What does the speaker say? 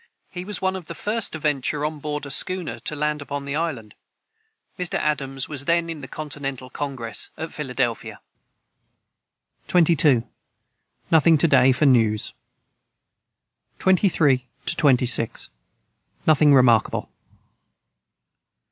He was one of the first to venture on board a schooner, to land upon the island." Mr. Adams was then in the Continental Congress, at Philadelphia.] 22. Nothing to day for news. 23 26. Nothing remarkable.